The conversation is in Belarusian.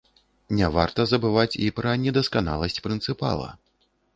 Не варта забываць і пра недасканаласць прынцыпала.